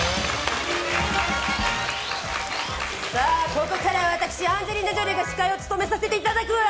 ここからは私アンジェリーナ・ジョリーが司会を務めさせていただくわ！